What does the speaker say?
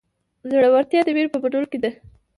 زړهورتیا د وېرې په منلو کې ده.